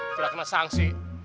tidak kena sanksi